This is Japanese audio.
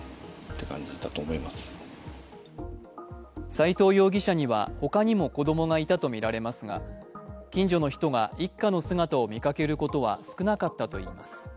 斉藤容疑者には他にも子供がいたとみられますが、近所の人が一家の姿を見かけることは少なかったといいます。